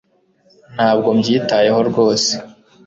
ntabwo mbyitayeho rwose